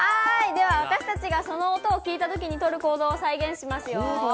では私たちはその音を聞いたときに取る行動を再現しますよ。